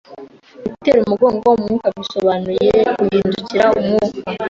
gutera umugongo Umwuka bisobanuye guhindukirira Umwuka,